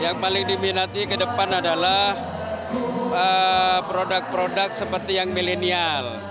yang paling diminati ke depan adalah produk produk seperti yang milenial